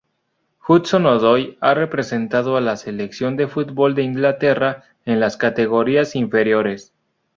Hudson-Odoi ha representado a la selección de fútbol de Inglaterra en las categorías inferiores.